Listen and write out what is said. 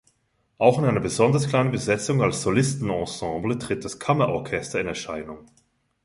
Auch in einer besonders kleinen Besetzung als Solistenensemble tritt das Kammerorchester in Erscheinung.